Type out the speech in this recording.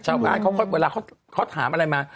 ชาวบ้านเขาก็เวลาเขาถามอะไรมา